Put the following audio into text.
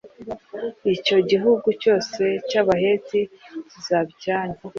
icyo gihugu cyose cy’abaheti kizaba icyanyu.